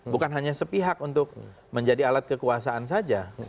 bukan hanya sepihak untuk menjadi alat kekuasaan saja